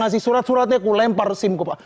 ngasih surat suratnya aku lempar sim pak